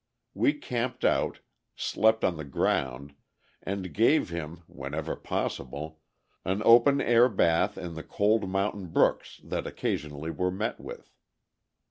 We camped out, slept on the ground, and gave him, whenever possible, an open air bath in the cold mountain brooks that occasionally were met with.